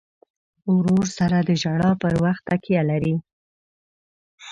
ورور سره د ژړا پر وخت تکیه لرې.